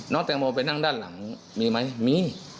แตงโมไปนั่งด้านหลังมีไหมมี